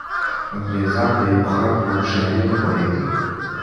انګریزان د ایوب خان په هوښیاري نه پوهېدل.